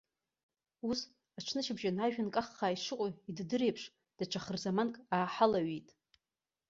Ус, аҽнышьыбжьон ажәҩан каххаа ишыҟоу идыдыр еиԥш, даҽа хырзаманк ааҳалаҩит.